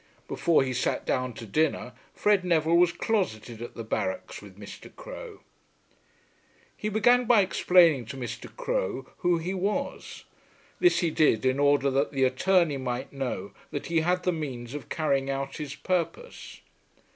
Before he sat down to dinner Fred Neville was closeted at the barracks with Mr. Crowe. He began by explaining to Mr. Crowe who he was. This he did in order that the attorney might know that he had the means of carrying out his purpose.